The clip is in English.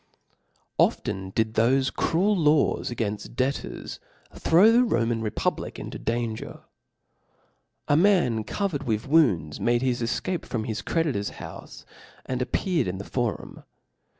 Often did thoie cruel laws againft debtors throw the Roma(n republic into danger. A num. ^1 covered with wounds made his efcape from his ccedkcfr's (") z>itf»^.houic, and appeared in the forum